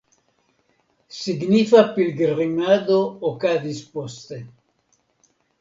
Signifa pilgrimado okazis poste.